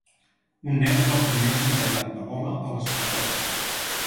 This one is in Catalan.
Un nen és el primer contagiat d'Ebola a la ciutat de Goma